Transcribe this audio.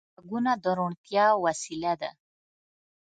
غوږونه د روڼتیا وسیله ده